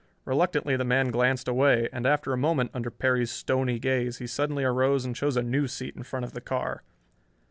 Reluctantly the man glanced away, and after a moment, under Perry's stony gaze, he suddenly arose and chose a new seat in front of the car.